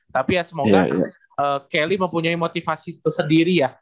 tapi ya semoga kelly mempunyai motivasi tersendiri ya